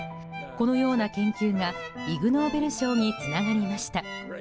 このような研究がイグ・ノーベル賞につながりました。